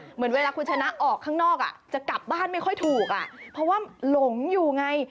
เหมือนเวลาคุณชนะออกข้างนอกจะกลับบ้านไม่ค่อยถูกอ่ะเพราะว่าหลงอยู่ไง